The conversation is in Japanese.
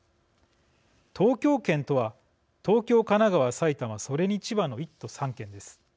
東京圏とは東京、神奈川、埼玉それに千葉の１都３県です。